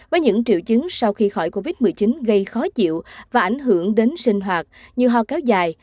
với những triệu chứng sau khi khỏi covid một mươi chín gây khó chịu và ảnh hưởng đến sinh hoạt như ho kéo dài